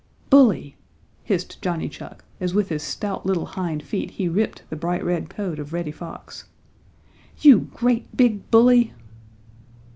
"Bully!" hissed Johnny Chuck as with his stout little hind feet he ripped the bright red coat of Reddy Fox. "You great big bully!"